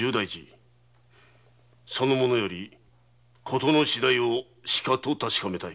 その者より事の次第をしかと確かめたい。